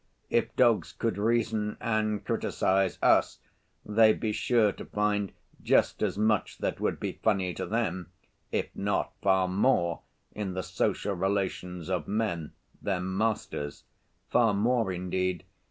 If dogs could reason and criticize us they'd be sure to find just as much that would be funny to them, if not far more, in the social relations of men, their masters—far more, indeed.